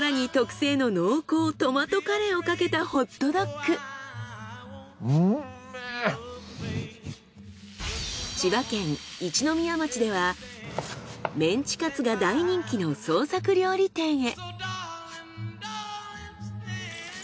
更に特製の千葉県一宮町ではメンチカツが大人気の創作料理店へ。